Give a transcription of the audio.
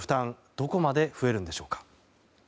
どこまで増えるのでしょうか。